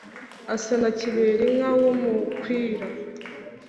asa na kiberinka y’umukwira